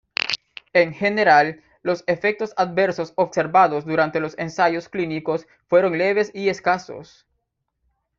En general, los efectos adversos observados durante los ensayos clínicos fueron leves y escasos.